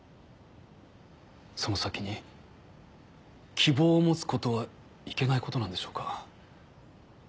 その先に希望を持つことはいけないことなんでしょうか。